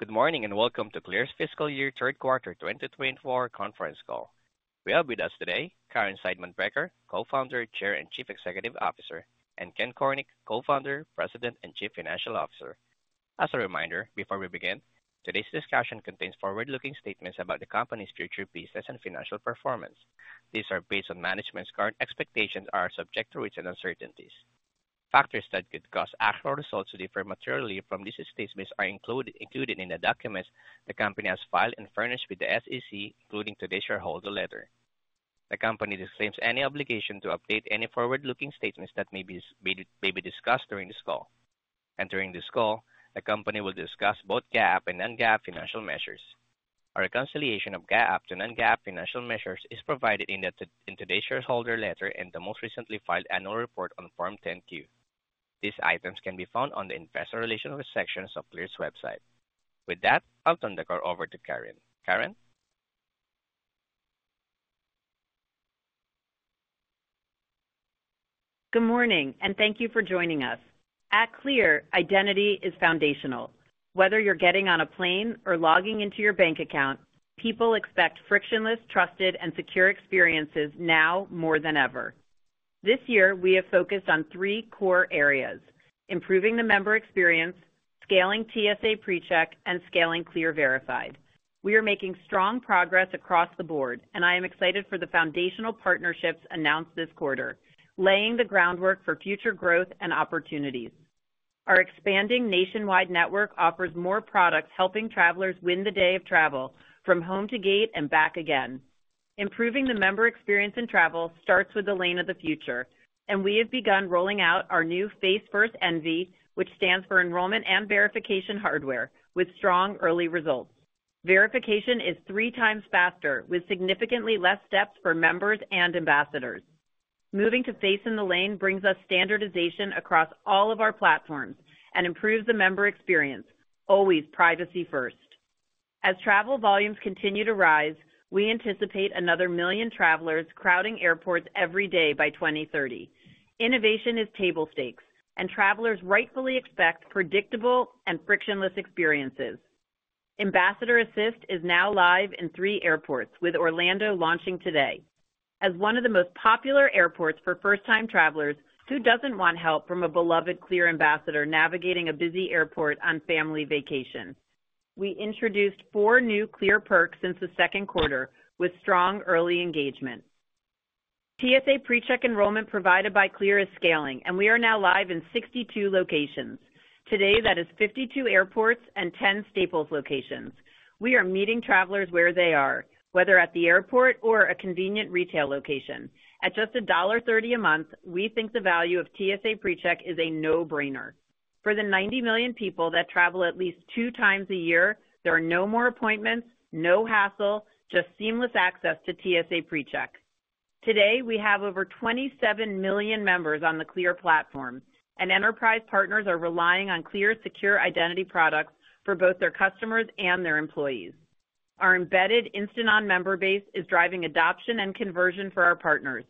Good morning and welcome to Clear's Fiscal Year Third Quarter 2024 Conference Call. We have with us today Caryn Seidman-Becker, Co-Founder, Chair and Chief Executive Officer, and Ken Cornick, Co-Founder, President and Chief Financial Officer. As a reminder, before we begin, today's discussion contains forward-looking statements about the company's future business and financial performance. These are based on management's current expectations and are subject to risks and uncertainties. Factors that could cause actual results to differ materially from these statements are included in the documents the company has filed and furnished with the SEC, including today's shareholder letter. The company disclaims any obligation to update any forward-looking statements that may be discussed during this call, and during this call, the company will discuss both GAAP and non-GAAP financial measures. A reconciliation of GAAP to non-GAAP financial measures is provided in today's shareholder letter and the most recently filed annual report on Form 10-Q. These items can be found on the Investor Relations section of Clear's website. With that, I'll turn the call over to Caryn. Caryn? Good morning, and thank you for joining us. At Clear, identity is foundational. Whether you're getting on a plane or logging into your bank account, people expect frictionless, trusted, and secure experiences now more than ever. This year, we have focused on three core areas: improving the member experience, scaling TSA PreCheck, and scaling Clear Verified. We are making strong progress across the board, and I am excited for the foundational partnerships announced this quarter, laying the groundwork for future growth and opportunities. Our expanding nationwide network offers more products helping travelers win the day of travel from home to gate and back again. Improving the member experience in travel starts with the Lane of the Future, and we have begun rolling out our new Face First Envy, which stands for Enrollment and Verification Hardware, with strong early results. Verification is three times faster, with significantly less steps for members and ambassadors. Moving to Face First in the Lane brings us standardization across all of our platforms and improves the member experience, always privacy first. As travel volumes continue to rise, we anticipate another million travelers crowding airports every day by 2030. Innovation is table stakes, and travelers rightfully expect predictable and frictionless experiences. Ambassador Assist is now live in three airports, with Orlando launching today. As one of the most popular airports for first-time travelers, who doesn't want help from a beloved Clear ambassador navigating a busy airport on family vacation? We introduced four new Clear Perks since the second quarter, with strong early engagement. TSA PreCheck enrollment provided by Clear is scaling, and we are now live in 62 locations. Today, that is 52 airports and 10 Staples locations. We are meeting travelers where they are, whether at the airport or a convenient retail location. At just $1.30 a month, we think the value of TSA PreCheck is a no-brainer. For the 90 million people that travel at least two times a year, there are no more appointments, no hassle, just seamless access to TSA PreCheck. Today, we have over 27 million members on the Clear platform, and enterprise partners are relying on Clear's secure identity products for both their customers and their employees. Our embedded Instant On member base is driving adoption and conversion for our partners.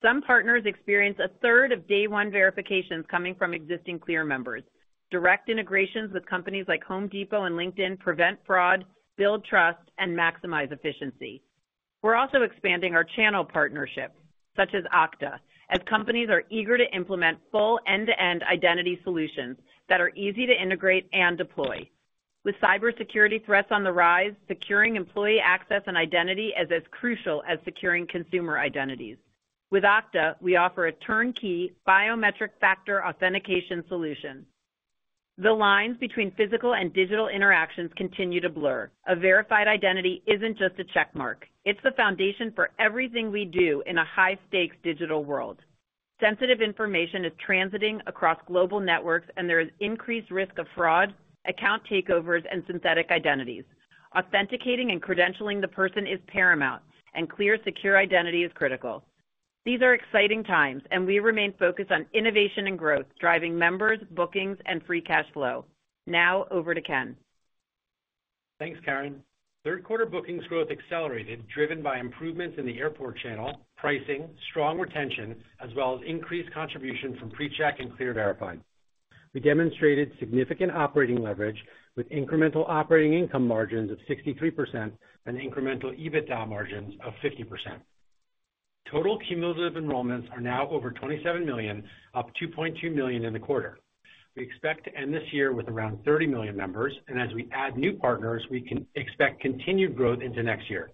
Some partners experience a third of day-one verifications coming from existing Clear members. Direct integrations with companies like Home Depot and LinkedIn prevent fraud, build trust, and maximize efficiency. We're also expanding our channel partnerships, such as Okta, as companies are eager to implement full end-to-end identity solutions that are easy to integrate and deploy. With cybersecurity threats on the rise, securing employee access and identity is as crucial as securing consumer identities. With Okta, we offer a turnkey biometric factor authentication solution. The lines between physical and digital interactions continue to blur. A verified identity isn't just a checkmark. It's the foundation for everything we do in a high-stakes digital world. Sensitive information is transiting across global networks, and there is increased risk of fraud, account takeovers, and synthetic identities. Authenticating and credentialing the person is paramount, and Clear's secure identity is critical. These are exciting times, and we remain focused on innovation and growth, driving members, bookings, and free cash flow. Now, over to Ken. Thanks, Caryn. Third quarter bookings growth accelerated, driven by improvements in the airport channel, pricing, strong retention, as well as increased contribution from PreCheck and Clear Verified. We demonstrated significant operating leverage with incremental operating income margins of 63% and incremental EBITDA margins of 50%. Total cumulative enrollments are now over 27 million, up 2.2 million in the quarter. We expect to end this year with around 30 million members, and as we add new partners, we can expect continued growth into next year.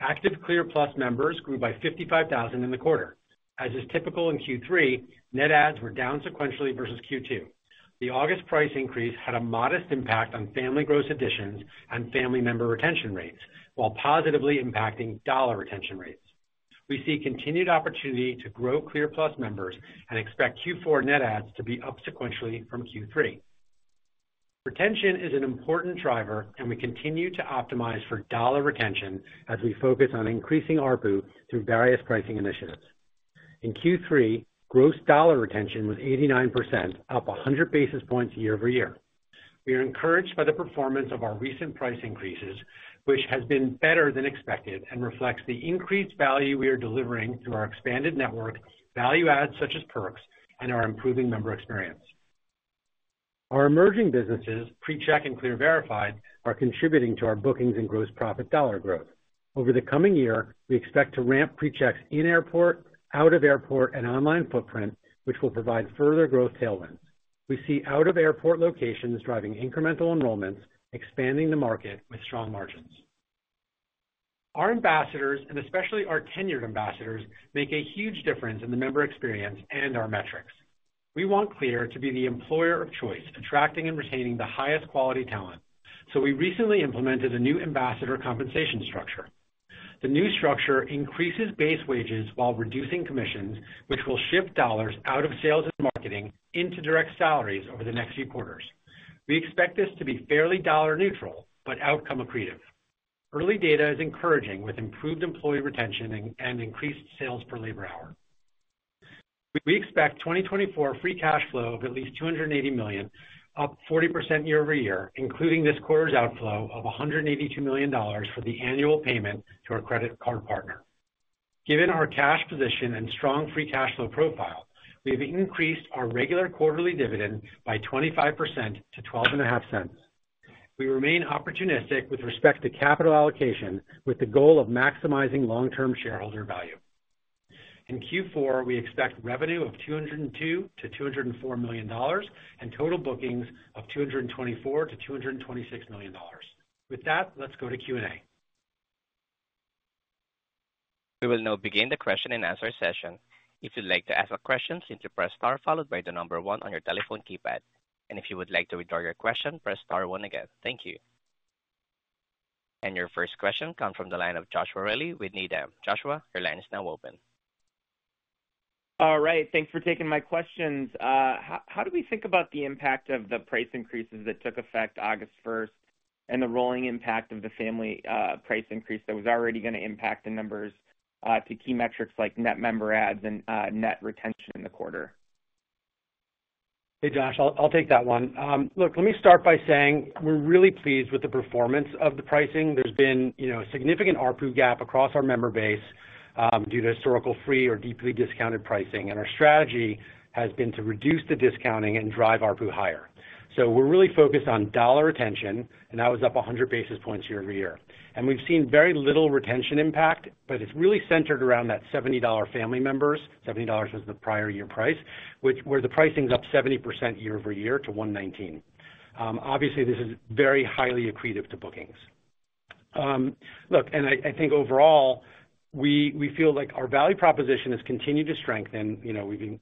Active Clear Plus members grew by 55,000 in the quarter. As is typical in Q3, net adds were down sequentially versus Q2. The August price increase had a modest impact on family gross additions and family member retention rates, while positively impacting dollar retention rates. We see continued opportunity to grow Clear Plus members and expect Q4 net adds to be up sequentially from Q3. Retention is an important driver, and we continue to optimize for dollar retention as we focus on increasing ARPU through various pricing initiatives. In Q3, gross dollar retention was 89%, up 100 basis points year-over-year. We are encouraged by the performance of our recent price increases, which has been better than expected and reflects the increased value we are delivering through our expanded network, value adds such as perks, and our improving member experience. Our emerging businesses, PreCheck and Clear Verified, are contributing to our bookings and gross profit dollar growth. Over the coming year, we expect to ramp PreChecks in airport, out-of-airport, and online footprint, which will provide further growth tailwinds. We see out-of-airport locations driving incremental enrollments, expanding the market with strong margins. Our ambassadors, and especially our tenured ambassadors, make a huge difference in the member experience and our metrics. We want Clear to be the employer of choice, attracting and retaining the highest quality talent, so we recently implemented a new ambassador compensation structure. The new structure increases base wages while reducing commissions, which will shift dollars out of sales and marketing into direct salaries over the next few quarters. We expect this to be fairly dollar-neutral but outcome-accretive. Early data is encouraging with improved employee retention and increased sales per labor hour. We expect 2024 free cash flow of at least $280 million, up 40% year-over-year, including this quarter's outflow of $182 million for the annual payment to our credit card partner. Given our cash position and strong free cash flow profile, we have increased our regular quarterly dividend by 25% to $0.125. We remain opportunistic with respect to capital allocation, with the goal of maximizing long-term shareholder value. In Q4, we expect revenue of $202-$204 million and total bookings of $224-$226 million. With that, let's go to Q&A. We will now begin the question and answer session. If you'd like to ask a question, simply press star followed by the number one on your telephone keypad. And if you would like to withdraw your question, press star one again. Thank you. And your first question comes from the line of Joshua Reilly with Needham. Joshua, your line is now open. All right. Thanks for taking my questions. How do we think about the impact of the price increases that took effect August 1st and the rolling impact of the family price increase that was already going to impact the numbers to key metrics like net member adds and net retention in the quarter? Hey, Josh, I'll take that one. Look, let me start by saying we're really pleased with the performance of the pricing. There's been a significant ARPU gap across our member base due to historical free or deeply discounted pricing, and our strategy has been to reduce the discounting and drive ARPU higher, so we're really focused on dollar retention, and that was up 100 basis points year-over-year, and we've seen very little retention impact, but it's really centered around that $70 family members, $70 was the prior year price, where the pricing's up 70% year-over-year to $119. Obviously, this is very highly accretive to bookings. Look, and I think overall, we feel like our value proposition has continued to strengthen.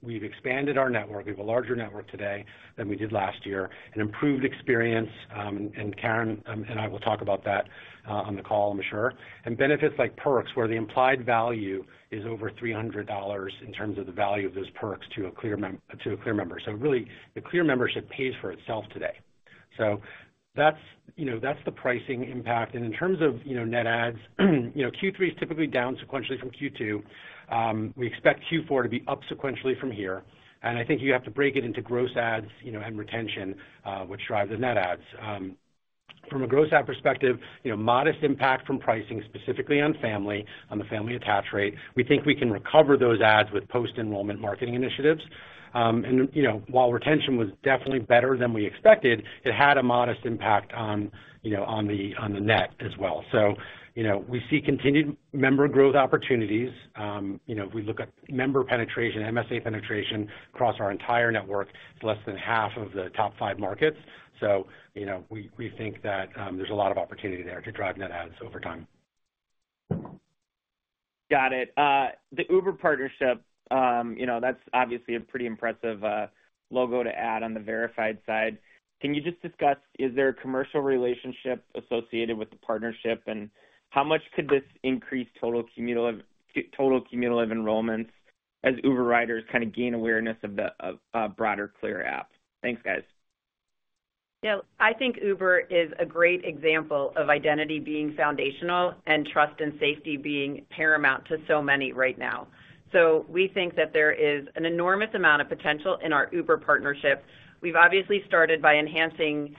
We've expanded our network. We have a larger network today than we did last year, an improved experience, and Caryn and I will talk about that on the call, I'm sure, and benefits like perks where the implied value is over $300 in terms of the value of those perks to a Clear member. So really, the Clear membership pays for itself today. So that's the pricing impact. And in terms of net adds, Q3 is typically down sequentially from Q2. We expect Q4 to be up sequentially from here. And I think you have to break it into gross adds and retention, which drives the net adds. From a gross add perspective, modest impact from pricing specifically on family, on the family attach rate. We think we can recover those adds with post-enrollment marketing initiatives. And while retention was definitely better than we expected, it had a modest impact on the net as well. So we see continued member growth opportunities. If we look at member penetration, MSA penetration across our entire network, it's less than half of the top five markets. So we think that there's a lot of opportunity there to drive net adds over time. Got it. The Uber partnership, that's obviously a pretty impressive logo to add on the Verified side. Can you just discuss, is there a commercial relationship associated with the partnership, and how much could this increase total cumulative enrollments as Uber riders kind of gain awareness of the broader Clear app? Thanks, guys. Yeah, I think Uber is a great example of identity being foundational and trust and safety being paramount to so many right now. So we think that there is an enormous amount of potential in our Uber partnership. We've obviously started by enhancing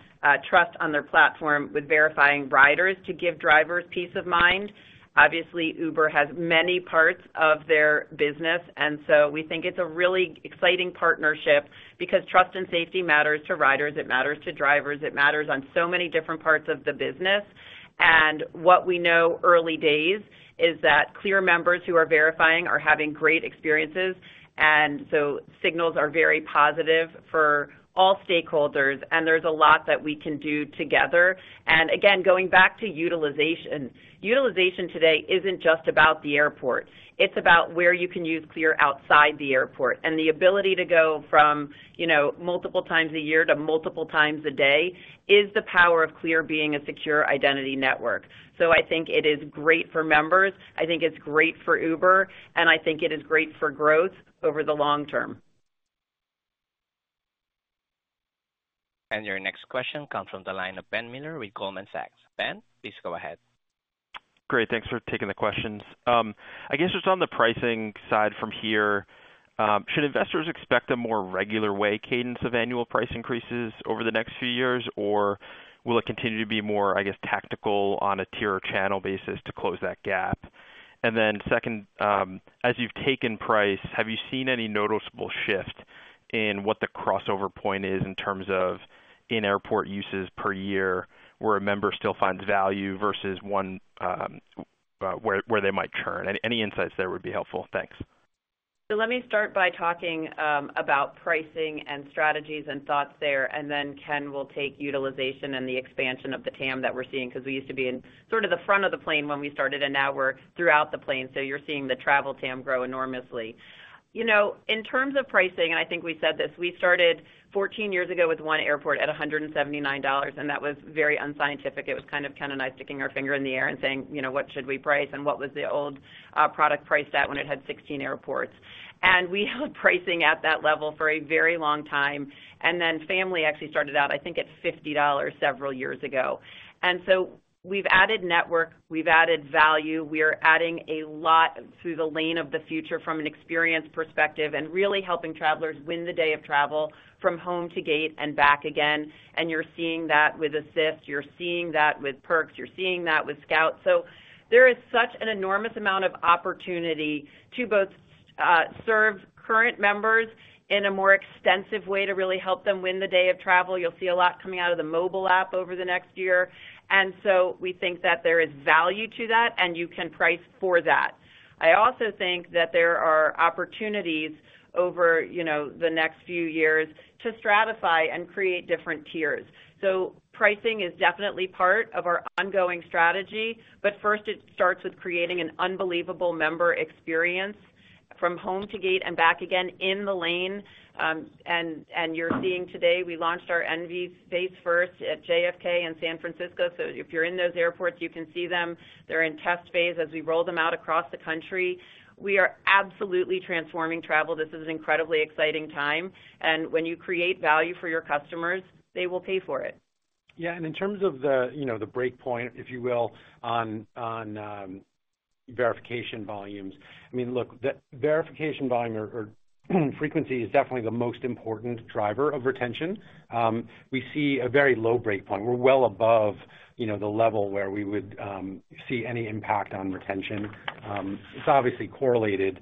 trust on their platform with verifying riders to give drivers peace of mind. Obviously, Uber has many parts of their business, and so we think it's a really exciting partnership because trust and safety matters to riders. It matters to drivers. It matters on so many different parts of the business. And what we know early days is that Clear members who are verifying are having great experiences, and so signals are very positive for all stakeholders, and there's a lot that we can do together. And again, going back to utilization, utilization today isn't just about the airport. It's about where you can use Clear outside the airport. And the ability to go from multiple times a year to multiple times a day is the power of Clear being a secure identity network. So I think it is great for members. I think it's great for Uber, and I think it is great for growth over the long term. Your next question comes from the line of Ben Miller with Goldman Sachs. Ben, please go ahead. Great. Thanks for taking the questions. I guess just on the pricing side from here, should investors expect a more regular yearly cadence of annual price increases over the next few years, or will it continue to be more, I guess, tactical on a tier or channel basis to close that gap? And then second, as you've taken price, have you seen any noticeable shift in what the crossover point is in terms of in-airport uses per year where a member still finds value versus one where they might churn? Any insights there would be helpful. Thanks. So let me start by talking about pricing and strategies and thoughts there, and then Ken will take utilization and the expansion of the TAM that we're seeing because we used to be in sort of the front of the plane when we started, and now we're throughout the plane. So you're seeing the travel TAM grow enormously. In terms of pricing, and I think we said this, we started 14 years ago with one airport at $179, and that was very unscientific. It was kind of nice to stick our finger in the air and saying, "What should we price?" and, "What was the old product priced at when it had 16 airports?" And we held pricing at that level for a very long time. And then family actually started out, I think, at $50 several years ago. And so we've added network. We've added value. We are adding a lot through the lane of the future from an experience perspective and really helping travelers win the day of travel from home to gate and back again, and you're seeing that with Assist. You're seeing that with Perks. You're seeing that with Scout, so there is such an enormous amount of opportunity to both serve current members in a more extensive way to really help them win the day of travel. You'll see a lot coming out of the mobile app over the next year, and so we think that there is value to that, and you can price for that. I also think that there are opportunities over the next few years to stratify and create different tiers. Pricing is definitely part of our ongoing strategy, but first, it starts with creating an unbelievable member experience from home to gate and back again in the lane. And you're seeing today we launched our Envy, Face First at JFK and San Francisco. So if you're in those airports, you can see them. They're in test phase as we roll them out across the country. We are absolutely transforming travel. This is an incredibly exciting time. And when you create value for your customers, they will pay for it. Yeah. And in terms of the breakpoint, if you will, on verification volumes, I mean, look, the verification volume or frequency is definitely the most important driver of retention. We see a very low breakpoint. We're well above the level where we would see any impact on retention. It's obviously correlated,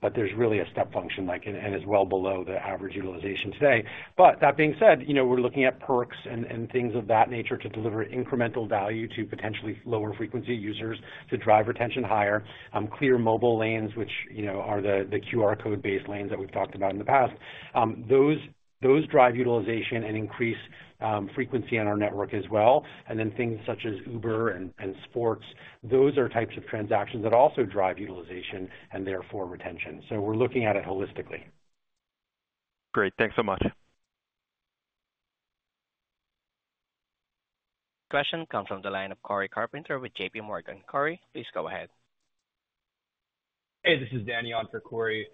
but there's really a step function and is well below the average utilization today. But that being said, we're looking at perks and things of that nature to deliver incremental value to potentially lower frequency users to drive retention higher. Clear Mobile lanes, which are the QR code-based lanes that we've talked about in the past, those drive utilization and increase frequency on our network as well. And then things such as Uber and sports, those are types of transactions that also drive utilization and therefore retention. So we're looking at it holistically. Great. Thanks so much. Question comes from the line of Corey Carpenter with JPMorgan. Corey, please go ahead. Hey, this is Danny on for Corey.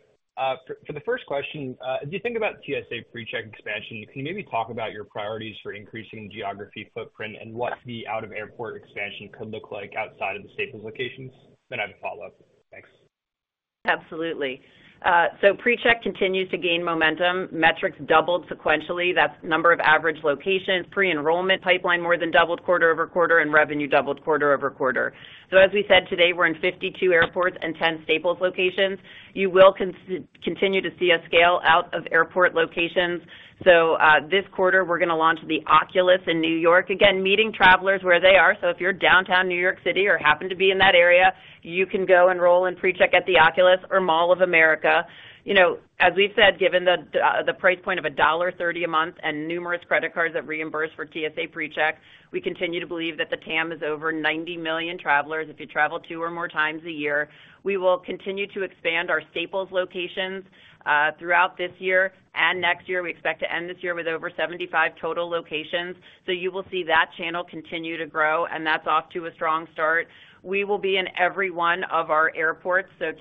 For the first question, as you think about TSA PreCheck expansion, can you maybe talk about your priorities for increasing geography footprint and what the out-of-airport expansion could look like outside of the Staples locations? Then I have a follow-up. Thanks. Absolutely. So PreCheck continues to gain momentum. Metrics doubled sequentially. That's number of average locations. Pre-enrollment pipeline more than doubled quarter over quarter and revenue doubled quarter over quarter. So as we said today, we're in 52 airports and 10 Staples locations. You will continue to see a scale out of airport locations. So this quarter, we're going to launch the Oculus in New York, again, meeting travelers where they are. So if you're downtown New York City or happen to be in that area, you can go enroll in PreCheck at the Oculus or Mall of America. As we've said, given the price point of $1.30 a month and numerous credit cards that reimburse for TSA PreCheck, we continue to believe that the TAM is over 90 million travelers if you travel two or more times a year. We will continue to expand our Staples locations throughout this year and next year. We expect to end this year with over 75 total locations. So you will see that channel continue to grow, and that's off to a strong start. We will be in every one of our airports. So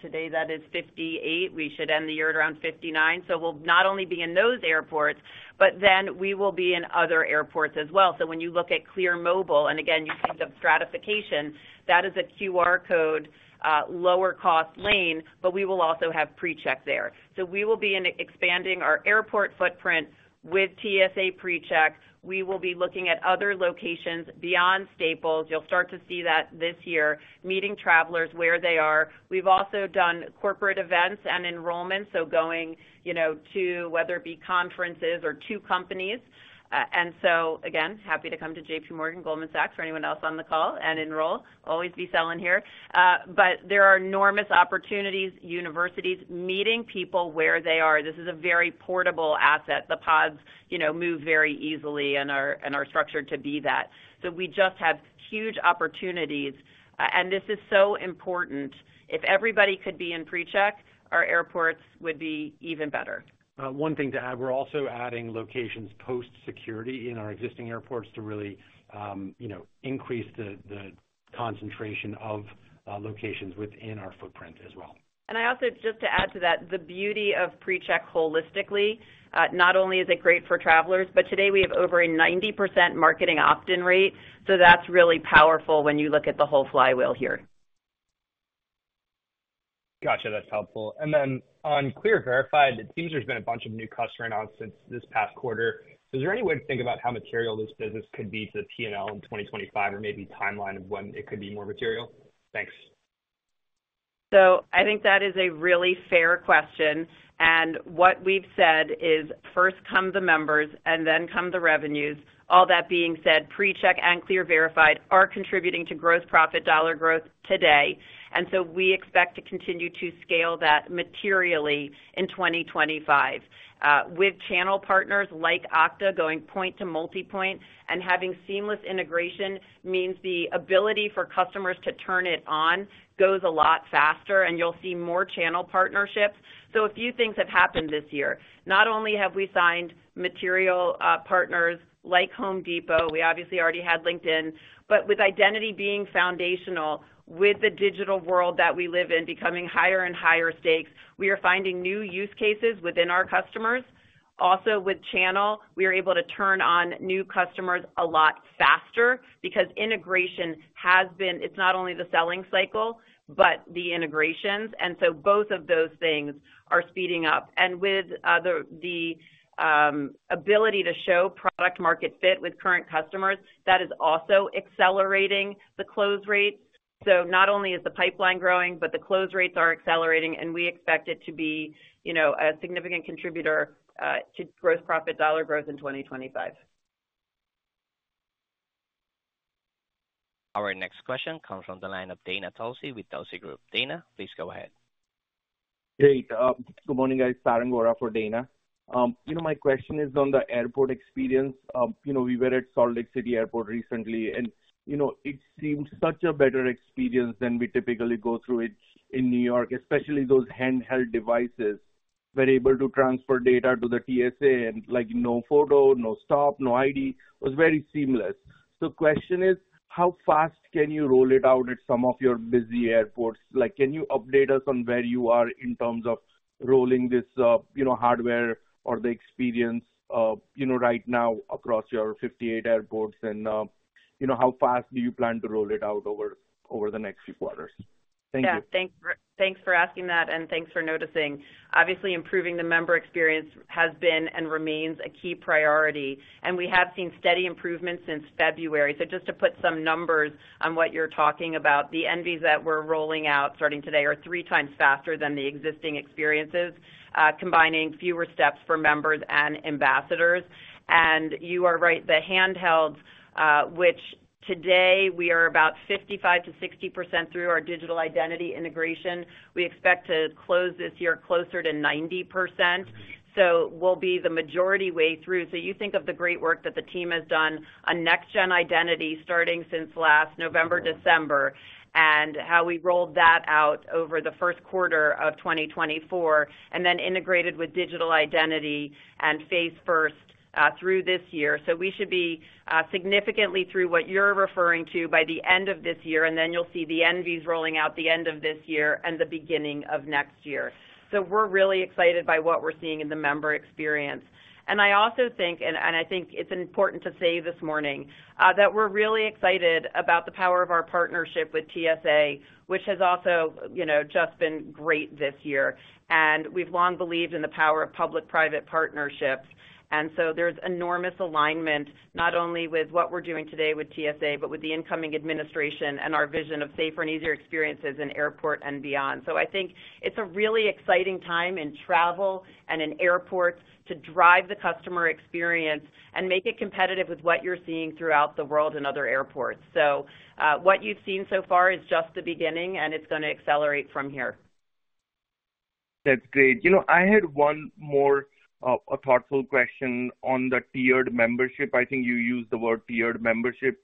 today, that is 58. We should end the year at around 59. So we'll not only be in those airports, but then we will be in other airports as well. So when you look at Clear Mobile, and again, you see the stratification, that is a QR code lower-cost lane, but we will also have PreCheck there. So we will be expanding our airport footprint with TSA PreCheck. We will be looking at other locations beyond Staples. You'll start to see that this year, meeting travelers where they are. We've also done corporate events and enrollment, so going to whether it be conferences or to companies. And so, again, happy to come to JPMorgan, Goldman Sachs, or anyone else on the call and enroll. Always be selling here. But there are enormous opportunities, universities meeting people where they are. This is a very portable asset. The pods move very easily and are structured to be that. So we just have huge opportunities. And this is so important. If everybody could be in PreCheck, our airports would be even better. One thing to add, we're also adding locations post-security in our existing airports to really increase the concentration of locations within our footprint as well. I also, just to add to that, the beauty of PreCheck holistically, not only is it great for travelers, but today we have over a 90% marketing opt-in rate. So that's really powerful when you look at the whole flywheel here. Gotcha. That's helpful. And then on Clear Verified, it seems there's been a bunch of new customer announcements this past quarter. Is there any way to think about how material this business could be to the P&L in 2025 or maybe timeline of when it could be more material? Thanks. So I think that is a really fair question. And what we've said is first come the members and then come the revenues. All that being said, PreCheck and Clear Verified are contributing to gross profit dollar growth today. And so we expect to continue to scale that materially in 2025. With channel partners like Okta going point-to-multipoint and having seamless integration means the ability for customers to turn it on goes a lot faster, and you'll see more channel partnerships. So a few things have happened this year. Not only have we signed material partners like Home Depot, we obviously already had LinkedIn, but with identity being foundational, with the digital world that we live in becoming higher and higher stakes, we are finding new use cases within our customers. Also with channel, we are able to turn on new customers a lot faster because integration has been, it's not only the selling cycle, but the integrations, and so both of those things are speeding up, and with the ability to show product-market fit with current customers, that is also accelerating the close rates, so not only is the pipeline growing, but the close rates are accelerating, and we expect it to be a significant contributor to gross profit dollar growth in 2025. All right. Next question comes from the line of Dana Telsey with Telsey Advisory Group. Dana, please go ahead. Hey. Good morning, guys. Taryn Gora for Dana. My question is on the airport experience. We were at Salt Lake City Airport recently, and it seemed such a better experience than we typically go through in New York, especially those handheld devices. We were able to transfer data to the TSA and no photo, no stop, no ID. It was very seamless. The question is, how fast can you roll it out at some of your busy airports? Can you update us on where you are in terms of rolling this hardware or the experience right now across your 58 airports, and how fast do you plan to roll it out over the next few quarters? Thank you. Yeah. Thanks for asking that, and thanks for noticing. Obviously, improving the member experience has been and remains a key priority, and we have seen steady improvements since February. So just to put some numbers on what you're talking about, the Envys that we're rolling out starting today are three times faster than the existing experiences, combining fewer steps for members and ambassadors. And you are right, the handhelds, which today we are about 55%-60% through our digital identity integration. We expect to close this year closer to 90%. So we'll be the majority way through. So you think of the great work that the team has done, a next-gen identity starting since last November, December, and how we rolled that out over the first quarter of 2024, and then integrated with digital identity and Face First through this year. So we should be significantly through what you're referring to by the end of this year, and then you'll see the Envys rolling out the end of this year and the beginning of next year. So we're really excited by what we're seeing in the member experience. And I also think, and I think it's important to say this morning, that we're really excited about the power of our partnership with TSA, which has also just been great this year. And we've long believed in the power of public-private partnerships. And so there's enormous alignment not only with what we're doing today with TSA, but with the incoming administration and our vision of safer and easier experiences in airport and beyond. So I think it's a really exciting time in travel and in airports to drive the customer experience and make it competitive with what you're seeing throughout the world in other airports. So what you've seen so far is just the beginning, and it's going to accelerate from here. That's great. I had one more thoughtful question on the tiered membership. I think you used the word tiered membership.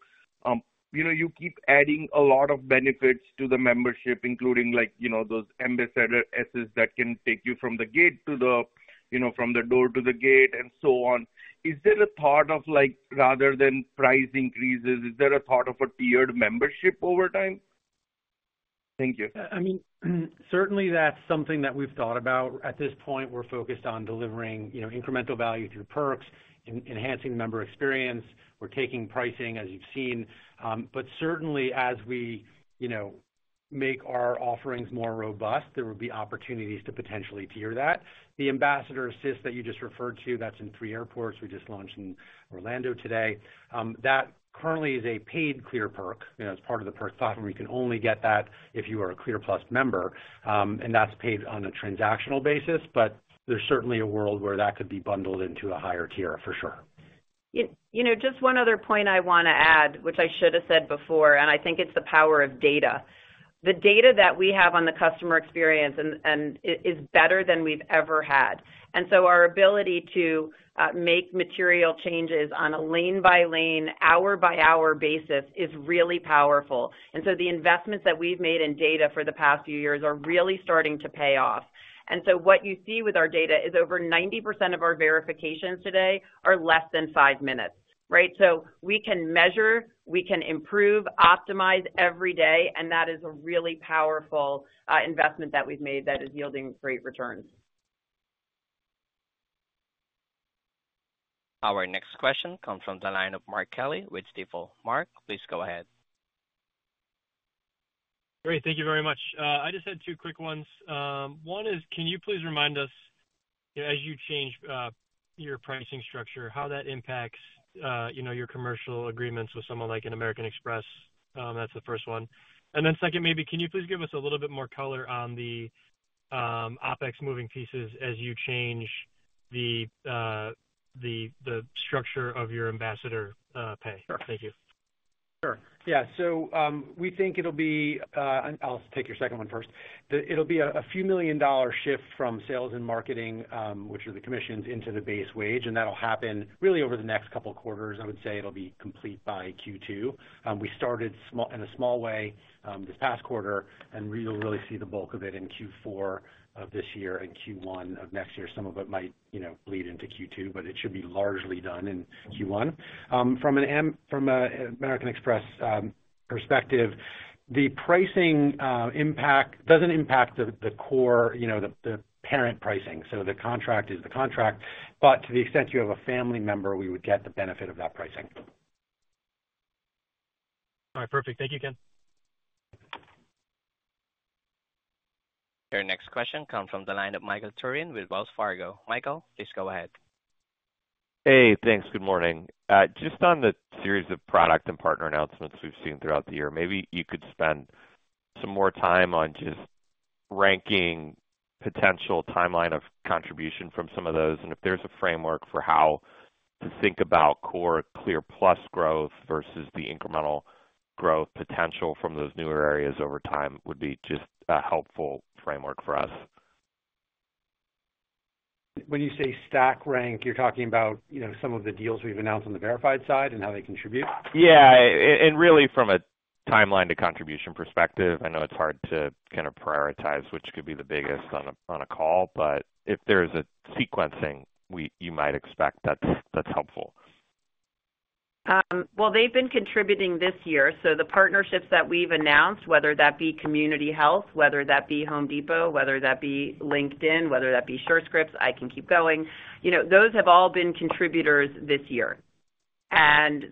You keep adding a lot of benefits to the membership, including those ambassadors that can take you from the door to the gate and so on. Is there a thought of, rather than price increases, is there a thought of a tiered membership over time? Thank you. I mean, certainly that's something that we've thought about. At this point, we're focused on delivering incremental value through perks, enhancing the member experience. We're taking pricing, as you've seen. But certainly, as we make our offerings more robust, there would be opportunities to potentially tier that. The Ambassador Assist that you just referred to, that's in three airports. We just launched in Orlando today. That currently is a paid Clear perk. As part of the perk platform, you can only get that if you are a Clear Plus member. And that's paid on a transactional basis, but there's certainly a world where that could be bundled into a higher tier for sure. Just one other point I want to add, which I should have said before, and I think it's the power of data. The data that we have on the customer experience is better than we've ever had. And so our ability to make material changes on a lane-by-lane, hour-by-hour basis is really powerful. And so the investments that we've made in data for the past few years are really starting to pay off. And so what you see with our data is over 90% of our verifications today are less than five minutes, right? So we can measure, we can improve, optimize every day, and that is a really powerful investment that we've made that is yielding great returns. All right. Next question comes from the line of Mark Kelley with Stifel. Mark, please go ahead. Great. Thank you very much. I just had two quick ones. One is, can you please remind us, as you change your pricing structure, how that impacts your commercial agreements with someone like an American Express? That's the first one. And then second, maybe can you please give us a little bit more color on the OpEx moving pieces as you change the structure of your ambassador pay? Thank you. Sure. Yeah. So we think it'll be. I'll take your second one first. It'll be a few million-dollar shift from sales and marketing, which are the commissions, into the base wage. And that'll happen really over the next couple of quarters. I would say it'll be complete by Q2. We started in a small way this past quarter, and you'll really see the bulk of it in Q4 of this year and Q1 of next year. Some of it might bleed into Q2, but it should be largely done in Q1. From an American Express perspective, the pricing impact doesn't impact the core, the parent pricing. So the contract is the contract, but to the extent you have a family member, we would get the benefit of that pricing. All right. Perfect. Thank you again. Your next question comes from the line of Michael Turrin with Wells Fargo. Michael, please go ahead. Hey. Thanks. Good morning. Just on the series of product and partner announcements we've seen throughout the year, maybe you could spend some more time on just ranking potential timeline of contribution from some of those, and if there's a framework for how to think about core Clear Plus growth versus the incremental growth potential from those newer areas over time, it would be just a helpful framework for us? When you say stack rank, you're talking about some of the deals we've announced on the verified side and how they contribute? Yeah, and really, from a timeline to contribution perspective, I know it's hard to kind of prioritize which could be the biggest on a call, but if there's a sequencing, you might expect that's helpful. They've been contributing this year. So the partnerships that we've announced, whether that be Community Health, whether that be Home Depot, whether that be LinkedIn, whether that be Surescripts, I can keep going. Those have all been contributors this year.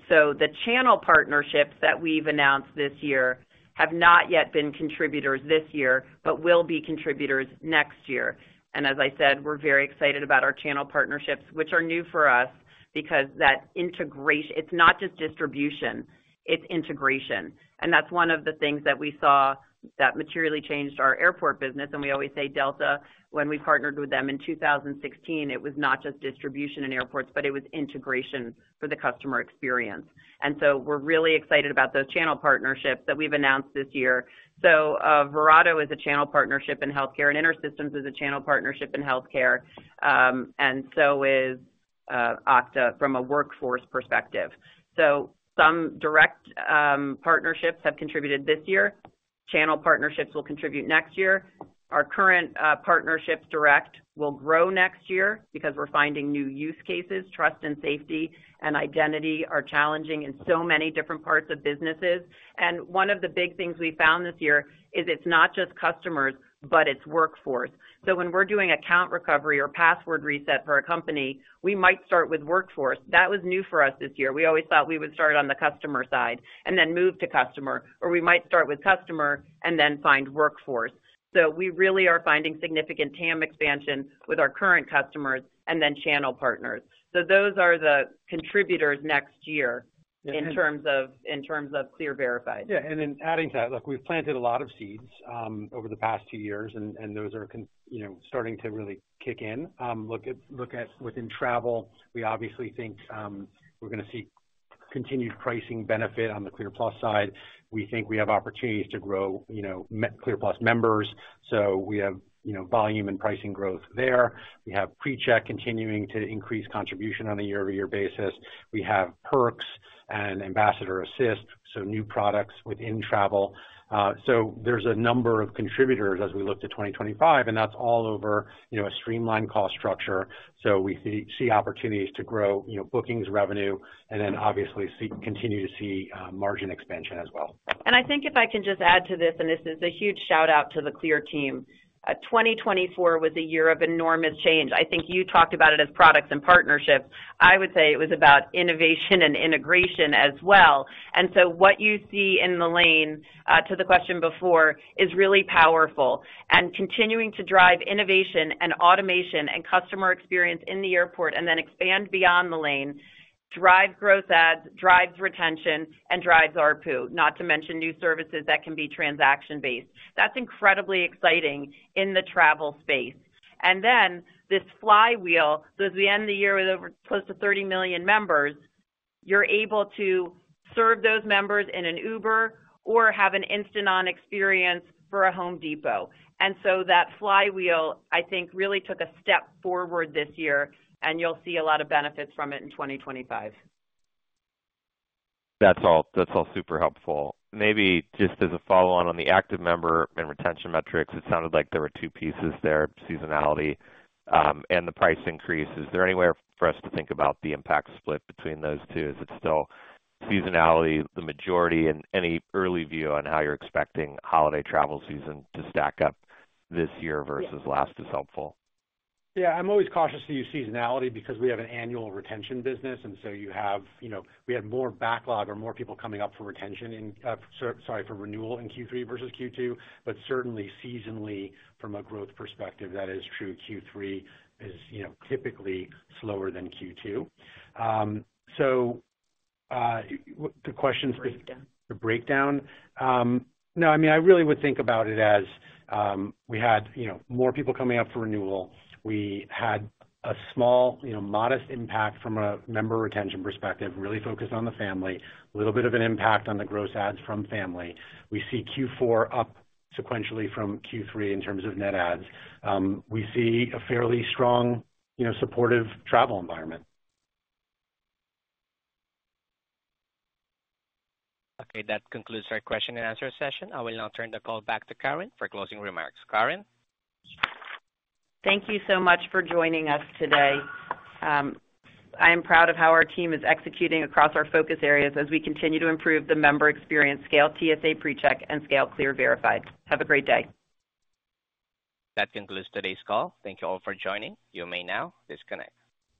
So the channel partnerships that we've announced this year have not yet been contributors this year, but will be contributors next year. As I said, we're very excited about our channel partnerships, which are new for us because that integration, it's not just distribution, it's integration. That's one of the things that we saw that materially changed our airport business. We always say Delta, when we partnered with them in 2016, it was not just distribution in airports, but it was integration for the customer experience. So we're really excited about those channel partnerships that we've announced this year. So Verato is a channel partnership in healthcare, and InterSystems is a channel partnership in healthcare, and so is Okta from a workforce perspective. So some direct partnerships have contributed this year. Channel partnerships will contribute next year. Our current partnerships direct will grow next year because we're finding new use cases. Trust and safety and identity are challenging in so many different parts of businesses. And one of the big things we found this year is it's not just customers, but it's workforce. So when we're doing account recovery or password reset for a company, we might start with workforce. That was new for us this year. We always thought we would start on the customer side and then move to customer. Or we might start with customer and then find workforce. So we really are finding significant TAM expansion with our current customers and then channel partners. So those are the contributors next year in terms of Clear Verified. Yeah. And then adding to that, look, we've planted a lot of seeds over the past two years, and those are starting to really kick in. Look at within travel, we obviously think we're going to see continued pricing benefit on the Clear Plus side. We think we have opportunities to grow Clear Plus members. So we have volume and pricing growth there. We have PreCheck continuing to increase contribution on a year-over-year basis. We have perks and Ambassador Assist, so new products within travel. So there's a number of contributors as we look to 2025, and that's all over a streamlined cost structure. So we see opportunities to grow bookings revenue and then obviously continue to see margin expansion as well. I think if I can just add to this, and this is a huge shout-out to the Clear team. 2024 was a year of enormous change. I think you talked about it as products and partnerships. I would say it was about innovation and integration as well. So what you see in the lane, to the question before, is really powerful. Continuing to drive innovation and automation and customer experience in the airport and then expand beyond the lane drives gross adds, drives retention, and drives RPU, not to mention new services that can be transaction-based. That's incredibly exciting in the travel space. Then this flywheel, so as we end the year with close to 30 million members, you're able to serve those members in an Uber or have an instant-on experience for a Home Depot. And so that flywheel, I think, really took a step forward this year, and you'll see a lot of benefits from it in 2025. That's all super helpful. Maybe just as a follow-on on the active member and retention metrics, it sounded like there were two pieces there: seasonality and the price increase. Is there any way for us to think about the impact split between those two? Is it still seasonality, the majority, and any early view on how you're expecting holiday travel season to stack up this year versus last is helpful? Yeah. I'm always cautious to use seasonality because we have an annual retention business, and so we had more backlog or more people coming up for retention, for renewal in Q3 versus Q2. But certainly, seasonally, from a growth perspective, that is true. Q3 is typically slower than Q2. So the questions. Breakdown. The breakdown. No, I mean, I really would think about it as we had more people coming up for renewal. We had a small, modest impact from a member retention perspective, really focused on the family, a little bit of an impact on the gross adds from family. We see Q4 up sequentially from Q3 in terms of net adds. We see a fairly strong, supportive travel environment. Okay. That concludes our question and answer session. I will now turn the call back to Caryn for closing remarks. Caryn. Thank you so much for joining us today. I am proud of how our team is executing across our focus areas as we continue to improve the member experience, scale TSA PreCheck, and scale Clear Verified. Have a great day. That concludes today's call. Thank you all for joining. You may now disconnect.